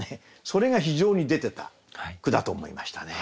それが非常に出てた句だと思いましたね。